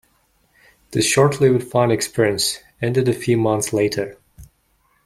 This short lived fun experience ended a few months later.